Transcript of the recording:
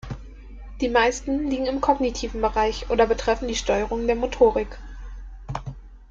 Die meisten liegen im kognitiven Bereich oder betreffen die Steuerung der Motorik.